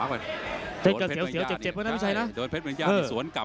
ไฟล์ที่แล้วไม่มาตีนซ้าย